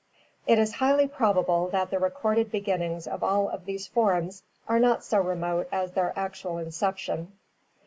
It is highly probable that the recorded beginnings of all of these forms are not so remote as their actual inception.